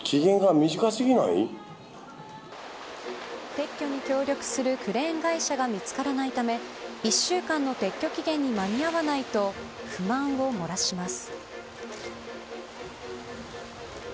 撤去に協力するクレーン会社が見つからないため１週間の撤去期限に間に合わないと不満を漏らします。